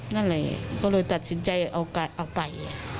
นั่นแหละก็เลยตัดสินใจเอาไป